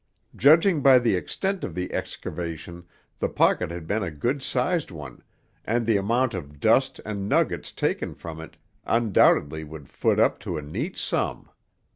Judging by the extent of the excavation the pocket had been a good sized one, and the amount of dust and nuggets taken from it undoubtedly would foot up to a neat sum.